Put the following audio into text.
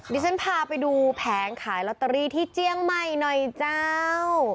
ดิฉันพาไปดูแผงขายลอตเตอรี่ที่เจียงใหม่หน่อยเจ้า